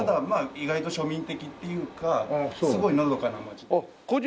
意外と庶民的っていうかすごいのどかな街です。